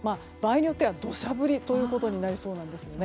場合によっては土砂降りとなりそうです。